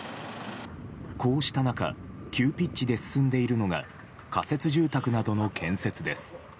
こうした中急ピッチで進んでいるのが仮設住宅などの建設です。